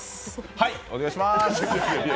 はい、お願いしまーす。